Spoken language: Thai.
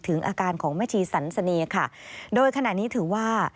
อาการของแม่ชีสันสนีค่ะโดยขณะนี้ถือว่า